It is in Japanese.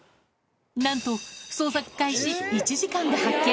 なんと、捜索開始１時間で発見。